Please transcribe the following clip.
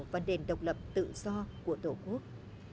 và nền độc lập tự do của tổ quốc